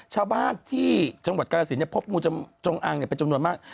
ชาวบ้านที่จังหวัดกรสินพบงูจงอางเป็นจำนวนมาก